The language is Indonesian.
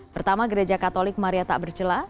pertama gereja katolik maria tak bercela